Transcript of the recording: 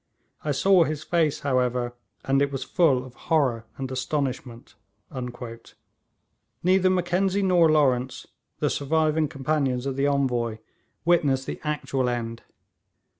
I saw his face, however, and it was full of horror and astonishment.' Neither Mackenzie nor Lawrence, the surviving companions of the Envoy, witnessed the actual end.